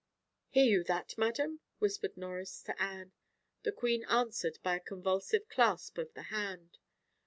"Hear you that, madam?" whispered Norris to Anne. The queen answered by a convulsive clasp of the hand.